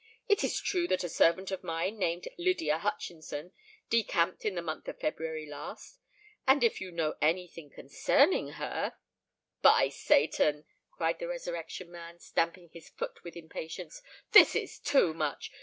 "It is true that a servant of mine, named Lydia Hutchinson, decamped in the month of February last; and if you know any thing concerning her——" "By Satan!" cried the Resurrection Man, stamping his foot with impatience; "this is too much!